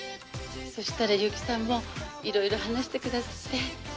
そしたら結城さんも色々話してくだすって。